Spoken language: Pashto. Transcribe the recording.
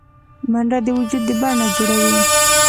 منډه د وجود د بڼه جوړوي